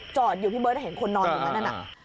จอดอยู่พี่เบิร์ตเห็นคนนอนอยู่นั่นน่ะ